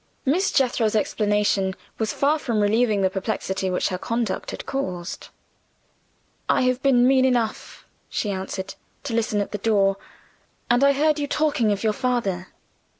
Miss Jethro's explanation was far from relieving the perplexity which her conduct had caused. "I have been mean enough," she answered, "to listen at the door, and I heard you talking of your father.